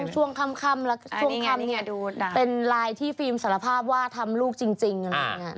ช่วงคำนิดเป็นลายที่ฟิล์มสารภาพว่าทำลูกจริงอะไรอย่างงี้